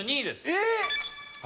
えっ！？